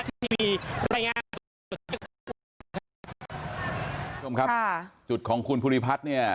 คุณผู้ชมครับจุดของคุณภูริพัฒน์เนี่ย